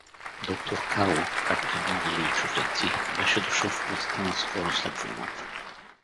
Доктор Карло, както и много други чужденци, беше дошъл в областта наскоро след войната.